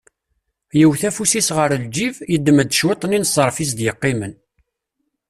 Yewwet afus-is ɣer lǧib, yeddem-d cwiṭ-nni n ṣṣarf is-d-yeqqimen.